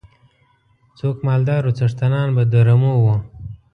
څوک مالدار وو څښتنان به د رمو وو.